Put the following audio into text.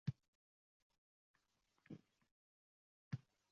Kerak bo‘lsa janjal uyushtiring.